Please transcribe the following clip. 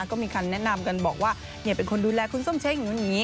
ก็มีคำแนะนำกันบอกว่าเป็นคนดูแลคุณส้มเช้งอย่างนู้นอย่างนี้